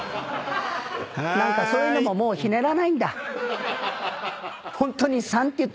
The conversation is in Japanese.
何かそういうのももうひねらないんだ。